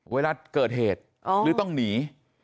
เวลาเกิดเหตุหรือต้องหนี